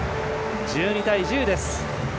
１２対１０です。